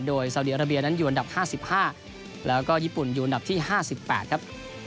โดยสาวดีอาราเบียนั้นอยู่อันดับ๕๕แล้วก็ญี่ปุ่นอยู่อันดับที่๕๘ครับ